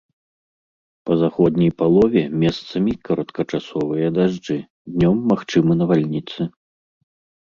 Па заходняй палове месцамі кароткачасовыя дажджы, днём магчымы навальніцы.